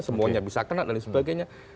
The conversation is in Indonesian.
semuanya bisa kena dan sebagainya